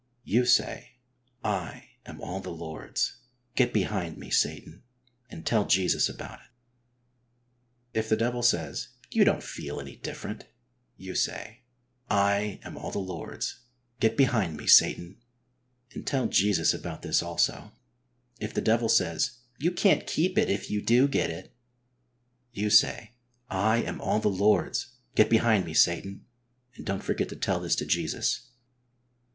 You say: "lam all the Lord's; get behind me, Satan," and tell Jesus about it. If the devil says: "You don't feel any different," you 9uy :" I am all the Lord's ; get behind me, Satan," and tell HOLINESS : HOW TO GET IT. 19 Jesus about this also. If the devil says :" You can^t keep it if you do get it,*^ you say :'' I am all the Lord's ; get behind me, Satan," and don't forget to tell this to Jesus.